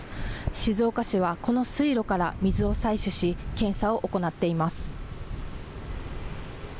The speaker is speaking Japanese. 静岡市はこの水路から水を採取し、検査を行っています。